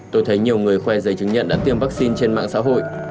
tôi thấy nhiều người khoe giấy chứng nhận đã tiêm vaccine trên mạng xã hội